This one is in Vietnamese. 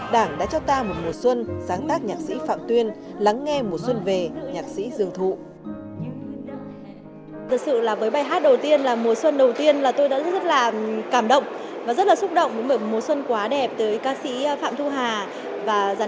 đảng đã cho ta một mùa xuân sáng tác nhạc sĩ phạm tuyên